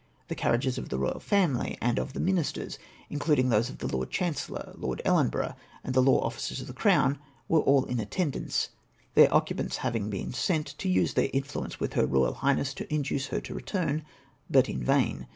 The carriages of the Eoyal family and of the ministers, including those of the Lord Chancellor, Lord Ellenborough, and the Law Officers of the Crown, were all in attendance, their occupants having been sent to use their influence with Her Eoyal Highness to induce her to return, but in vain.